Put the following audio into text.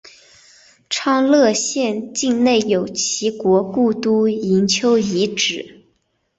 昌乐县境内有齐国故都营丘遗址。